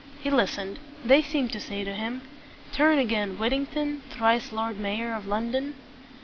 He listened. They seemed to say to him, "Turn again, Whittington, Thrice Lord Mayor of London."